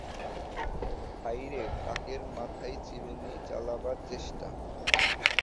হায় রে, টাকের মাথায় চিরুনি চালাবার চেষ্টা!